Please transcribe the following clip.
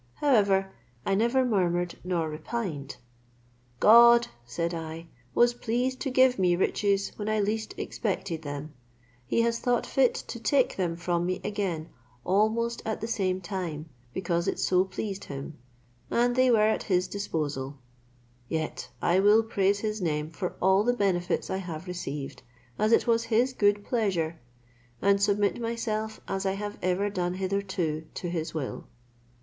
However, I never murmured nor repined; "God," said I, "was pleased to give me riches when I least expelled them; he has thought fit to take them from me again almost at the same time, because it so pleased him, and they were at his disposal; yet I will praise his name for all the benefits I have received, as it was his good pleasure, and submit myself, as I have ever done hitherto, to his will."